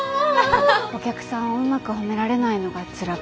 お客さんをうまく褒められないのがつらくて。